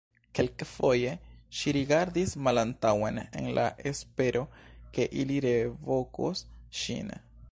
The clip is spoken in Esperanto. Kelkfoje ŝi rigardis malantaŭen en la espero ke ili revokos ŝin.